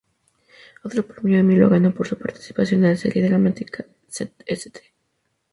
Otro premio Emmy lo ganó por su participación en la serie dramática "St.